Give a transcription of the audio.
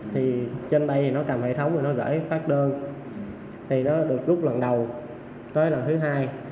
thì trên đây thì nó cầm hệ thống rồi nó gửi phát đơn thì nó được gúc lần đầu tới lần thứ hai